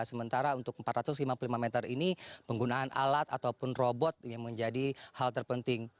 sementara untuk empat ratus lima puluh lima meter ini penggunaan alat ataupun robot yang menjadi hal terpenting